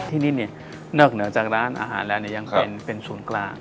ที่นี่นอกเหนือจากร้านอาหารแล้วยังเป็นศูนย์กลาง